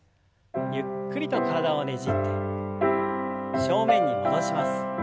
ゆっくりと体をねじって正面に戻します。